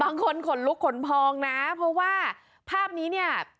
ขนลุกขนพองนะเพราะว่าภาพนี้เนี่ย